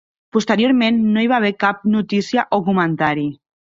Posteriorment no hi ha haver cap notícia o comentari.